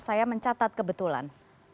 saya mencatat kebetulan